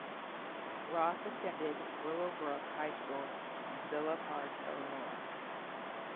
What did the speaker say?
Roth attended Willowbrook High School in Villa Park, Illinois.